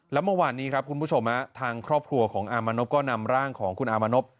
แล้วเมื่อวานนี้ครับคุณผู้ชมทางครอบครัวของอามนพก็นำร่างของคุณอามนพ